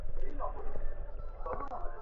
এটি খেলতে দরকার শান- পুকুর বা মরা নদী বা খাল-বিল।